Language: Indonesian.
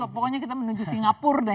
pokoknya kita menuju singapura